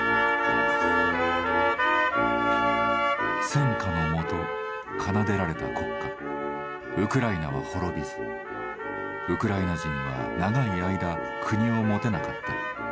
戦火のもと、奏でられた国歌「ウクライナは滅びず」。ウクライナ人は長い間国を持てなかった。